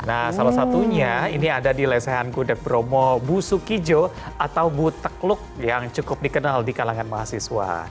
nah salah satunya ini ada di lesehan gudeg bromo busukijo atau butekluk yang cukup dikenal di kalangan mahasiswa